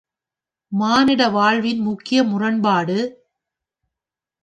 மானிட வாழ்வின் முக்கிய முரண்பாடு...